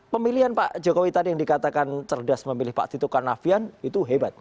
pemilihan pak jokowi tadi yang dikatakan cerdas memilih pak tito karnavian itu hebat